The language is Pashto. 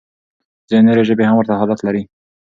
ځينې نورې ژبې هم ورته حالت لري.